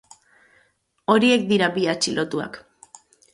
Horiek dira bi atxilotuak.